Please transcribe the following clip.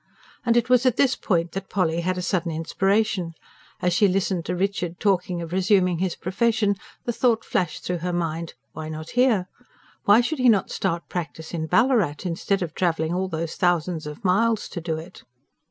And it was at this point that Polly had a sudden inspiration. As she listened to Richard talking of resuming his profession, the thought flashed through her mind: why not here? Why should he not start practice in Ballarat, instead of travelling all those thousands of miles to do it?